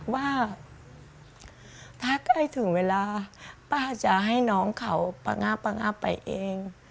ว่าถ้าใกล้ถึงเวลาป้าจะให้น้องเขาปะงาปะงาบไปเอง